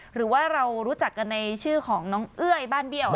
หรือว่าเรารู้จักกันในชื่อของน้องเอ้ยบ้านเบี้ยว